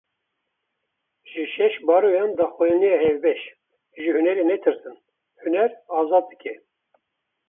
Ji şeş baroyan daxuyaniya hevbeş Ji hunerê netirsin, huner azad dike